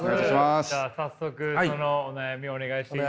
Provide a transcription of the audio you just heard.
じゃあ早速そのお悩みをお願いしていいですか？